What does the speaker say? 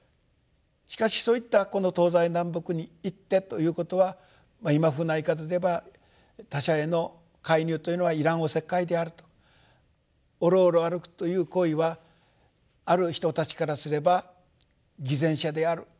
しかしそういったこの東西南北に「行ッテ」ということは今風な言い方でいえば他者への介入というのは要らんおせっかいであると。おろおろ歩くという行為はある人たちからすれば偽善者である。